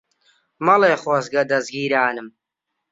مەڵێ خۆزگە دەزگیرانم